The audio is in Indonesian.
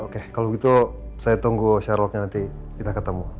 oke kalo gitu saya tunggu share lokasinya nanti kita ketemu